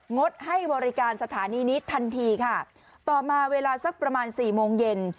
ดให้บริการสถานีนี้ทันทีค่ะต่อมาเวลาสักประมาณสี่โมงเย็น